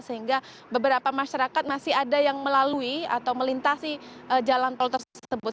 sehingga beberapa masyarakat masih ada yang melalui atau melintasi jalan tol tersebut